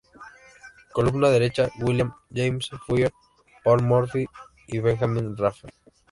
Columna derecha: William James Fuller, Paul Morphy, y Benjamín Raphael.